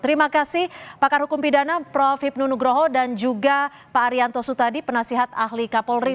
terima kasih pakar hukum pidana prof hipnu nugroho dan juga pak arianto sutadi penasihat ahli kapolri